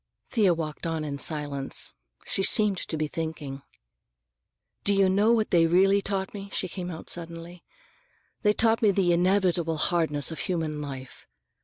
Thea walked on in silence. She seemed to be thinking. "Do you know what they really taught me?" she came out suddenly. "They taught me the inevitable hardness of human life.